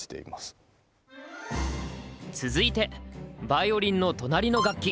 続いてヴァイオリンの隣の楽器！